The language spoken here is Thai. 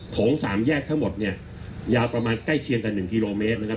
ของสามแยกทั้งหมดเนี่ยยาวประมาณใกล้เคียงกัน๑กิโลเมตรนะครับ